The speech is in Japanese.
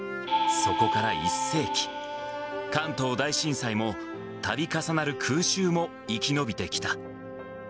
そこから１世紀、関東大震災も、たび重なる空襲も生き延びてきた。